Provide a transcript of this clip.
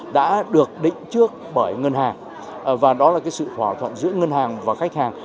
đã được định trước bởi ngân hàng và đó là sự hòa thuận giữa ngân hàng và khách hàng